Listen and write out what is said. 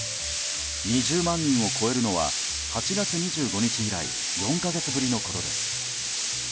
２０万人を超えるのは８月２５日以来４か月ぶりのことです。